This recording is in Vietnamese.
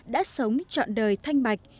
đã sống trọn đời thanh bạch